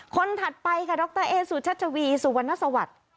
ถัดไปค่ะดรเอสุชัชวีสุวรรณสวัสดิ์